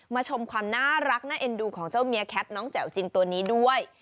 ชมความน่ารักน่าเอ็นดูของเจ้าเมียแคทน้องแจ๋วจริงตัวนี้ด้วย